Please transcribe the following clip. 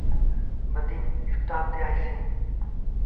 بدين اسٽآپ تي آئيٚسي۔